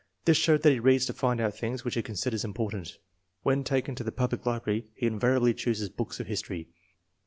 This shows that he reads to find out things which he considers important. When taken to the public library he invariably chooses books of history.